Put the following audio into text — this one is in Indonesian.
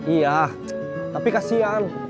iya tapi kasihan